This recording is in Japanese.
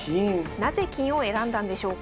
なぜ金を選んだんでしょうか。